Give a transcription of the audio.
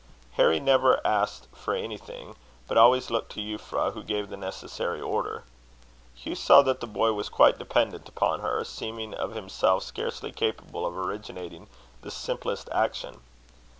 Harry never asked for anything, but always looked to Euphra, who gave the necessary order. Hugh saw that the boy was quite dependent upon her, seeming of himself scarcely capable of originating the simplest action.